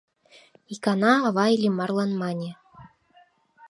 Икана ава Иллимарлан мане: